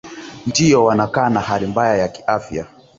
ndio wanakaa na hali mbaya ya kiafya